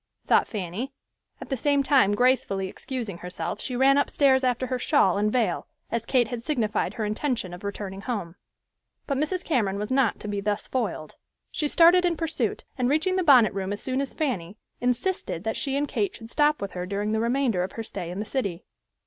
thought Fanny; at the same time gracefully excusing herself she ran upstairs after her shawl and veil, as Kate had signified her intention of returning home. But Mrs. Cameron was not to be thus foiled. She started in pursuit, and reaching the bonnet room as soon as Fanny, insisted that she and Kate should stop with her during the remainder of her stay in the city.